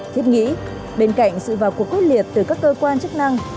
thiết nghĩ bên cạnh sự vào cuộc quyết liệt từ các cơ quan chức năng